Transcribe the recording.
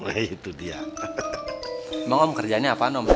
emang om kerjaannya apaan om